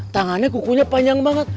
tangannya kukunya panjang banget